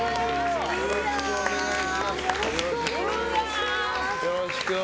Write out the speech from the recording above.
よろしくお願いします。